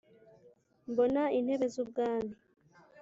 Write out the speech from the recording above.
Mbona intebe z’ubwami,